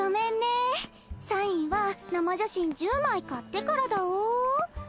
サインは生写真１０枚買ってからだお。